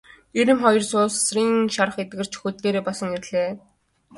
Эр эм хоёр суусрын шарх эдгэрч хөл дээрээ босон ирлээ.